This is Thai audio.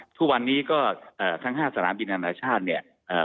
ทุกวันนี้ก็ทั้งห้าสถานบินอำนาจชาติ